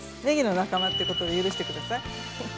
ねぎの仲間っていうことで許して下さい。